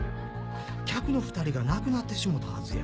客の２人が亡くなってしもたはずや。